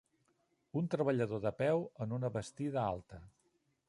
Un treballador de peu en una bastida alta.